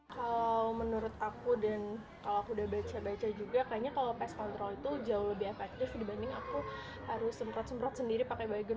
kalau menurut aku dan kalau aku udah baca baca juga kayaknya kalau pas kontrol itu jauh lebih efektif dibanding aku harus semprot semprot sendiri pakai baju